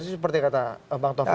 seperti kata bang tov